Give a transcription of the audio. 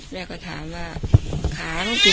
แม่ก็ถามว่าขางกินอะไร